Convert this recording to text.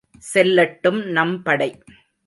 செல்லட்டும் நம் படை.